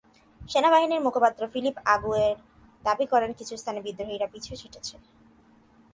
সেনাবাহিনীর মুখপাত্র ফিলিপ আগুয়ের দাবি করেন, কিছু স্থানে বিদ্রোহীরা পিছু হটেছে।